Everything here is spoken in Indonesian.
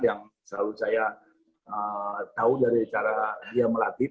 yang selalu saya tahu dari cara dia melatih